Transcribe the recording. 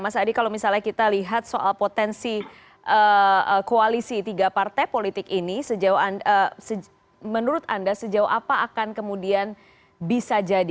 mas adi kalau misalnya kita lihat soal potensi koalisi tiga partai politik ini menurut anda sejauh apa akan kemudian bisa jadi